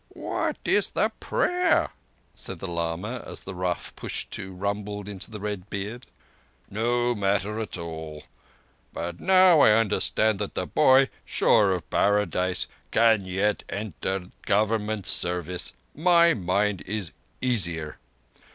"What is the prayer?" said the lama, as the rough Pushtu rumbled into the red beard. "No matter at all; but now I understand that the boy, sure of Paradise, can yet enter Government service, my mind is easier.